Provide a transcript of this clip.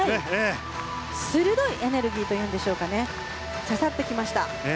鋭いエネルギーといいますか刺さってきました。